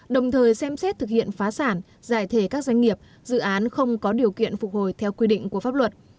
đồng thời xem xét thực hiện phá sản giải thể các doanh nghiệp dự án không có điều kiện phục hồi theo quy định của pháp luật